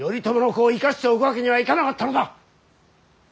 頼朝の子を生かしておくわけにはいかなかったのだ！